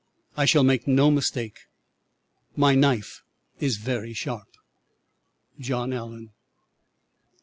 I shall make no mistake. My knife is very sharp. "'JOHN ALLEN.'"